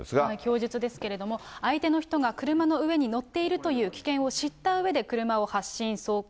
供述ですけれども、相手の人が車の上にのっているという危険を知ったうえで車を発進、走行。